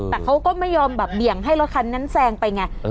แต่เขาก็ไม่ยอมแบบเบี่ยงให้รถคันนั้นแซงไปไง